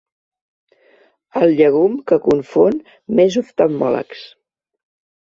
El llegum que confon més oftalmòlegs.